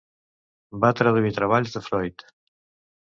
Va traduir treballs de Freud.